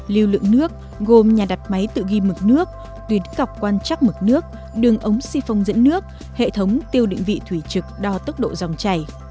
lưu lượng nước gồm nhà đặt máy tự ghi mực nước tuyến cọc quan trắc mực nước đường ống si phong dẫn nước hệ thống tiêu định vị thủy trực đo tốc độ dòng chảy